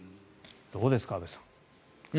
どうですか、安部さん。